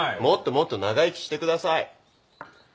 もっともっと長生きしてください。